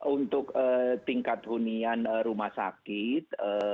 untuk tingkat hunian rumah sakit